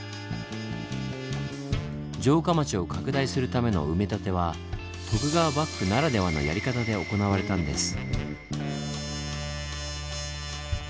城下町を拡大するための埋め立ては徳川幕府ならではのやり方で行われたんです。